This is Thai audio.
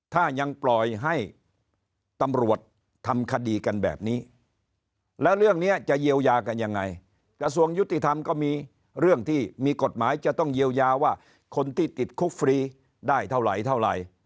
ถ้ายังปล่อยให้ตำรวจทำคดีกันแบบนี้แล้วเรื่องนี้จะเยียวยากันยังไงกระทรวงยุติธรรมก็มีเรื่องที่มีกฎหมายจะต้องเยียวยาว่าคนที่ติดคุกฟรีได้เท่าไหร่เท่าไหร่